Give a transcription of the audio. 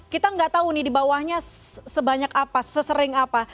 kita nggak tahu nih dibawahnya sebanyak apa sesering apa